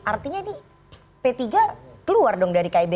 artinya ini p tiga keluar dong dari kib